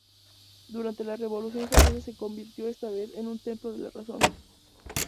Durante la Revolución Francesa, se convirtió esta vez en un templo de la Razón.